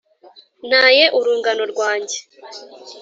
ntaye urungano rwanjye